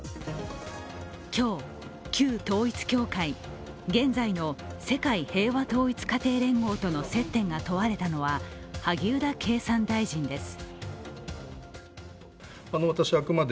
今日、旧統一教会、現在の世界平和統一家庭連合との接点が問われたのは萩生田経産大臣です。